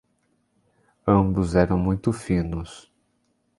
Ambos eram muito finos.